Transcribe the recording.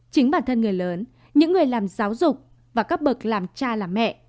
chính bản thân người lớn những người làm giáo dục và các bậc làm cha làm mẹ